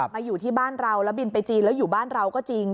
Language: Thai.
มาอยู่ที่บ้านเราแล้วบินไปจีนแล้วอยู่บ้านเราก็จริง